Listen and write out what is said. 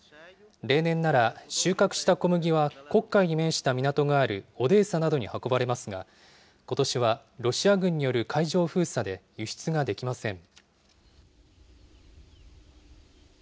例年なら、収穫した小麦は黒海に面した港があるオデーサなどに運ばれますが、ことしはロシア軍による海上封鎖で輸出ができません。